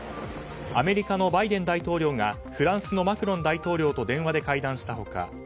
アメリカのバイデン大統領がフランスのマクロン大統領と電話で会談した他